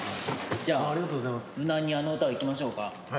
じゃあ無難にあの歌を行きましょうか。